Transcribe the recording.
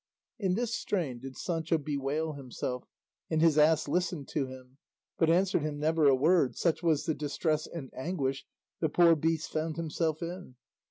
In this strain did Sancho bewail himself, and his ass listened to him, but answered him never a word, such was the distress and anguish the poor beast found himself in.